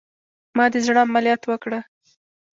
ما د زړه عملیات وکړه